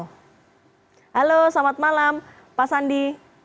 halo selamat malam pak sandi